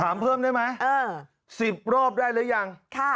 ถามเพิ่มได้ไหม๑๐รอบได้หรือยัง